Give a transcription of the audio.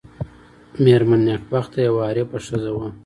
مېرمن نېکبخته یوه عارفه ښځه وه.